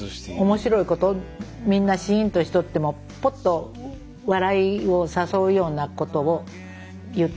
面白いことみんなシーンとしとってもポッと笑いを誘うようなことを言ってくれたりとか。